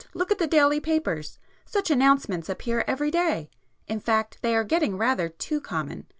Look at the daily papers! Such announcements appear every day—in fact they are getting rather too common.